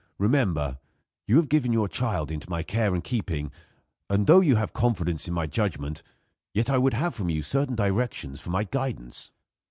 Remember, you have given your child into my care and keeping; and, though you have confidence in my judgment, yet I would have from you certain directions for my guidance."